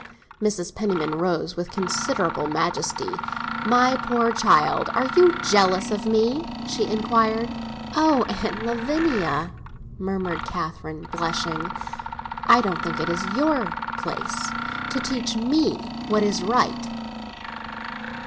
Mrs. Penniman rose with considerable majesty. "My poor child, are you jealous of me?" she inquired. "Oh, Aunt Lavinia!" murmured Catherine, blushing. "I don't think it is your place to teach me what is right."